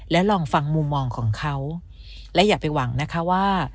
และลองฟังมุมมองของเขาและอย่าไปหวังนะคะว่า